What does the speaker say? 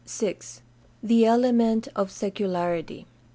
6. The element of secularity.